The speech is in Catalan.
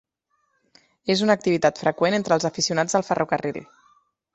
És una activitat freqüent entre els aficionats al ferrocarril.